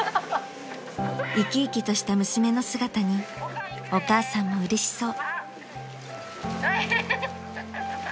［生き生きとした娘の姿にお母さんもうれしそう］